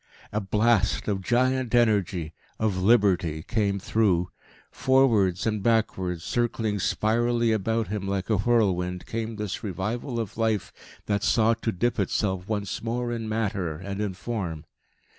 A blast of giant energy, of liberty, came through. Forwards and backwards, circling spirally about him like a whirlwind, came this revival of Life that sought to dip itself once more in matter and in form.